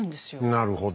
なるほど。